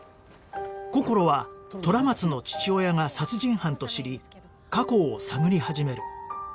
こころは虎松の父親が殺人犯と知り過去を探り始める